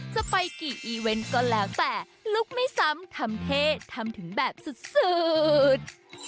จะไปกี่อีเวนต์ก็แล้วแต่ลุกไม่ซ้ำทำเท่ทำถึงแบบสุด